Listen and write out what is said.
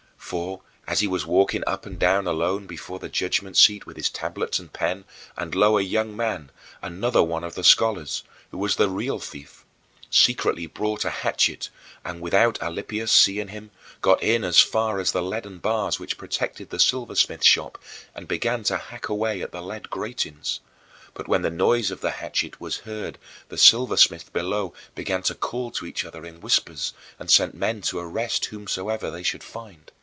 For as he was walking up and down alone before the judgment seat with his tablets and pen, lo, a young man another one of the scholars, who was the real thief secretly brought a hatchet and, without Alypius seeing him, got in as far as the leaden bars which protected the silversmith shop and began to hack away at the lead gratings. But when the noise of the hatchet was heard the silversmiths below began to call to each other in whispers and sent men to arrest whomsoever they should find.